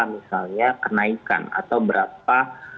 misalnya kenaikan atau berapa